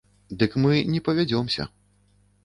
Дык мы не павядзёмся.